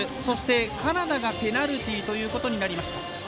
そして、カナダがペナルティーとなりました。